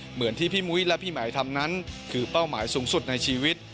เหมือนที่พี่มุ้ยและพี่หมายทำนั้นคือเป้าหมายสูงสุดในชีวิต